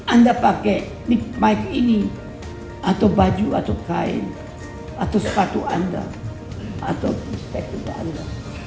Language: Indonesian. anda pakai mic ini atau baju atau kain atau sepatu anda atau spek untuk anda